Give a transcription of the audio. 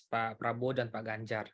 pak prabowo dan pak ganjar